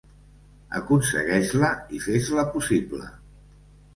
Aconsegueix-la i fes-la possible!